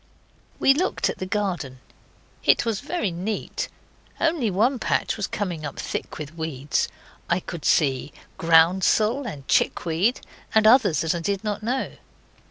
We looked at the garden. It was very neat. Only one patch was coming up thick with weeds. I could see groundsel and chickweed, and others that I did not know.